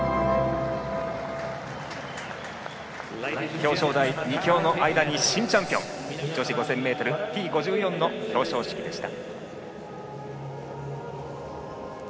表彰台、２強の間に新チャンピオン女子 ５０００ｍＴ５４ の表彰式でした。